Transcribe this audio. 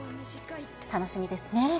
楽しみですね。